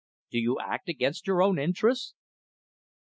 "Do you act against your own interests?"